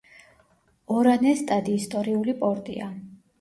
ორანესტადი ისტორიული პორტია.